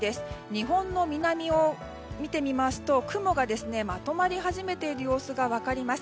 日本の南を見ていただくと雲がまとまり始めているのが分かります。